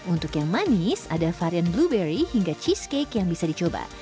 untuk yang manis ada varian blueberry hingga cheesecake yang bisa dicoba